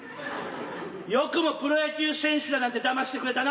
よくもプロ野球選手だなんてだましてくれたな。